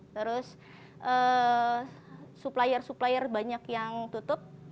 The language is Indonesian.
terus supplier supplier banyak yang tutup